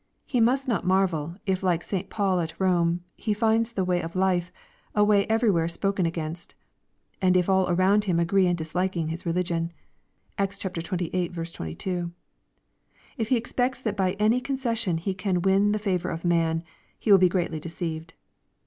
He must not marvel, if like Bt. Paul at Rome, he finds the way of life, a " way every where spoken against,'' and if all around him agree in disliking his religion. (Acts xxviii. 22.) If he expects that by any concession he can win the favor of man, he will be greatly deceived.